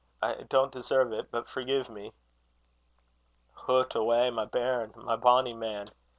I don't deserve it, but forgive me." "Hoot awa! my bairn! my bonny man!